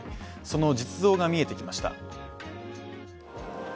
その実像が見えてきました。